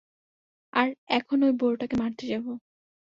আর এখন ঐ বুড়োটাকে মারতে যাবো।